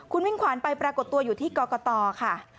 คุณมิ่งขวัญไปปรากฏตัวอยู่ที่กรกตค่ะ